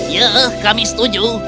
ya kami setuju